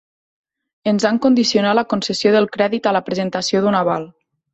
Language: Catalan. Ens han condicionat la concessió del crèdit a la presentació d'un aval.